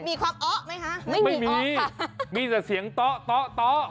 มีความเอาะไหมคะไม่มีเอาะค่ะไม่มีมีแต่เสียงต๊อกต๊อกต๊อก